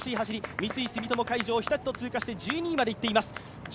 三井住友海上、日立と通過して１２位までいっています。